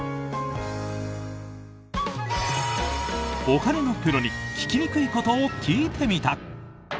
お金のプロに聞きにくいことを聞いてみた。